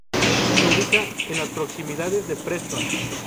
Se ubica en las proximidades de Preston.